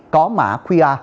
có mã qia